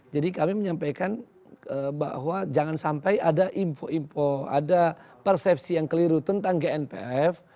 jadi kami menyampaikan bahwa jangan sampai ada info info ada persepsi yang keliru tentang gnpf